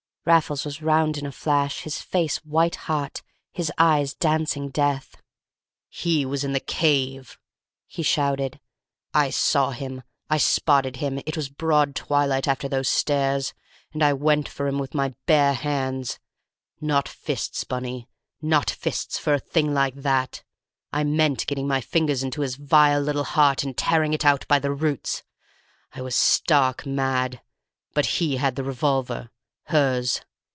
Raffles was round in a flash, his face white hot, his eyes dancing death. "He was in the cave!" he shouted. "I saw him—I spotted him—it was broad twilight after those stairs—and I went for him with my bare hands. Not fists, Bunny; not fists for a thing like that; I meant getting my fingers into his vile little heart and tearing it out by the roots. I was stark mad. But he had the revolver—hers.